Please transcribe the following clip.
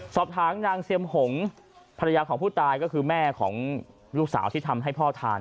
สอบถามนางเซียมหงภรรยาของผู้ตายก็คือแม่ของลูกสาวที่ทำให้พ่อทาน